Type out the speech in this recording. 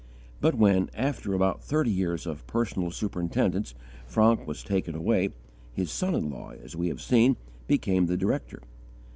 But when, after about thirty years of personal superintendence, Francke was taken away, his son in law, as we have seen, became the director.